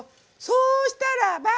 そうしたらば。